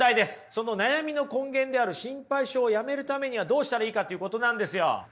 その悩みの根源である心配性をやめるためにはどうしたらいいかということなんですよ。